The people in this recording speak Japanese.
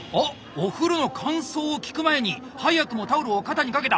お風呂の感想を聞く前に早くもタオルを肩にかけた！